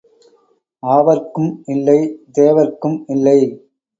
ஆவர்க்கும் இல்லை தேவர்க்கும் இல்லை.